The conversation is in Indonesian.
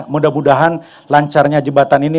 mudah mudahan lancarnya jembatan ini